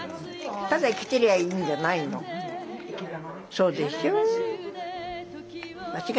そうでしょう？